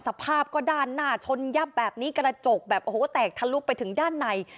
สภาพก็ด้านหน้าชนยับแบบนี้กระจกแบบโอ้โหแตกทะลุไปถึงด้านใน